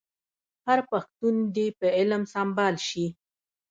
هر پښتون دي په علم سمبال شي.